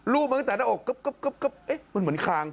มาตั้งแต่หน้าอกกึ๊บมันเหมือนคาง